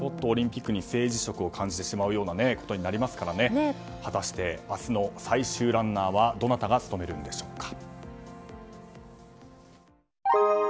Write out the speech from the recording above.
オリンピックに政治色を感じてしまうことになりますから果たして明日の最終ランナーはどなたが務めるんでしょうか。